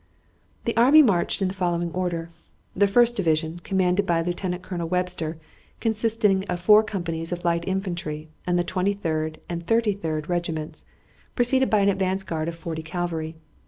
The army marched in the following order: The first division, commanded by Lieutenant Colonel Webster, consisting of four companies of light infantry and the Twenty third and Thirty third regiments, preceded by an advanced guard of 40 cavalry.